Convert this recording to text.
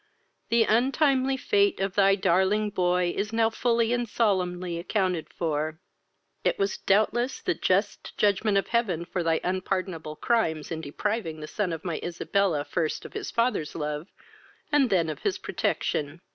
the untimely fate of thy darling boy is now fully and solemnly accounted for! It was doubtless the just judgement of heaven for thy unpardonable crimes in depriving the son of my Isabella first of his father's love, and then of his protection.